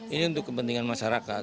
ini untuk kepentingan masyarakat